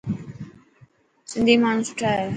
سنڌي ماڻهو سٺا هي.